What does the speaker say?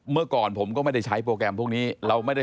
เมื่อก่อนผมก็ไม่ได้ใช้โปรแกรมพวกนี้เราไม่ได้